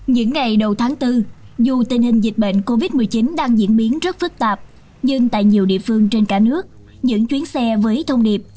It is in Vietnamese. những ngày đầu tháng bốn dù tình hình dịch bệnh covid một mươi chín đang diễn biến rất phức tạp nhưng tại nhiều địa phương trên cả nước những chuyến xe với thông điệp